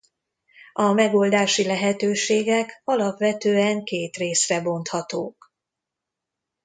A megoldási lehetőségek alapvetően két részre bonthatók.